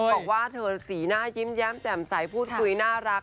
บอกว่าเธอสีหน้ายิ้มแย้มแจ่มใสพูดคุยน่ารัก